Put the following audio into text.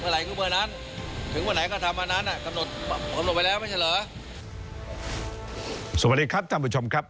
สวัสดีครับท่านผู้ชมครับ